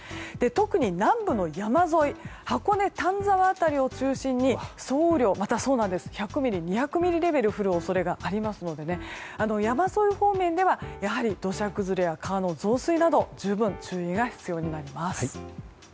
特に南部の山沿い箱根、丹沢辺りを中心に総雨量１００ミリ２００ミリレベル降る恐れがありますので山沿い方面では土砂崩れや川の増水など十分注意が必要になります。